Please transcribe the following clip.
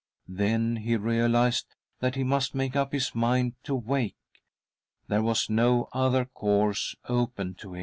Then he realised that he must make up his' mind to wake ; there was no other course open to him.